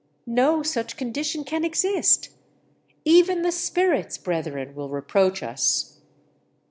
No such condition can exist! Even the spirits, brethren, will reproach us."